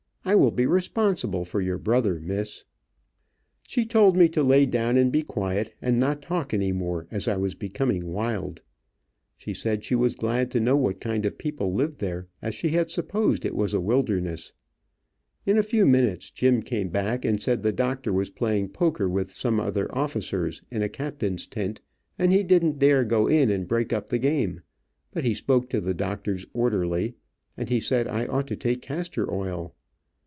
I will be responsible for your brother, Miss." She told me to lay down and be quiet, and not talk any more, as I was becoming wild. She said she was glad to know what kind of people lived there, as she had supposed it was a wilderness. In a few minutes Jim came back and said the doctor was playing poker with some other officers, in a captain's tent, and he didn't dare go in and break up the game, but he spoke to the doctor's orderly, and he said I ought to take castor oil.